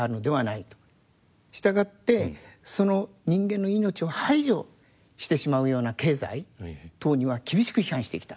従ってその人間の命を排除してしまうような経済等には厳しく批判してきた。